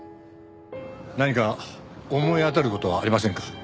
何か思い当たる事はありませんか？